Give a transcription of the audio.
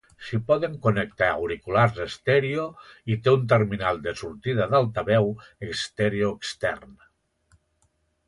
S'hi poden connectar auriculars estèreo, i té un terminal de sortida d'altaveu estèreo extern.